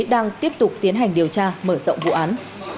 đang tiếp tục tiến hành điều tra mở rộng vụ án